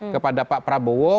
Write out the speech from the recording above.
kepada pak prabowo